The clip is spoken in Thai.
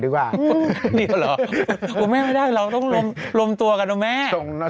ต้องรวมตัวกันนะแม่